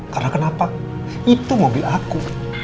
karena kenapa itu mobil aku